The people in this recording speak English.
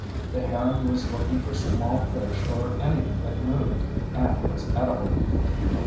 The heron was looking for small fish or anything that moved and was edible.